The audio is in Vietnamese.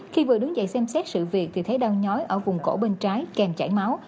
khi vừa đứng dậy xem xét sự việc thì thấy đang nhói ở vùng cổ bên trái kèm chảy máu